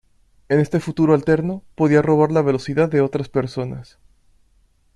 En este futuro alterno, podía robar la velocidad de otras personas.